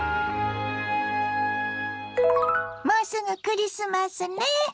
もうすぐクリスマスね。